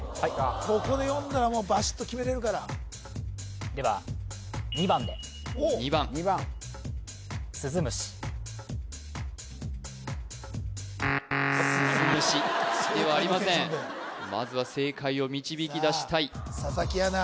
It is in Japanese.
ここで読んだらもうバシッと決めれるからではおっ２番スズムシではありません正解のテンションでまずは正解を導き出したい佐々木アナ